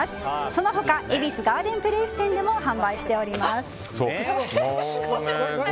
その他恵比寿ガーデンプレイス店でも販売しております。